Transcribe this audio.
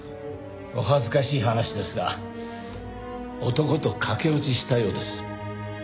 お恥ずかしい話ですが男と駆け落ちしたようです。